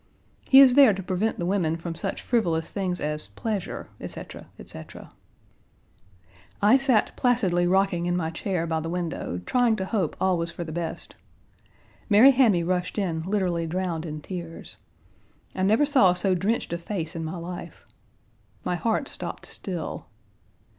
He is there to prevent the women from such frivolous things as pleasure, etc., etc. I sat placidly rocking in my chair by the window, trying to hope all was for the best. Mary Hammy rushed in Page 124 literally drowned in tears. I never saw so drenched a face in my life. My heart stopped still.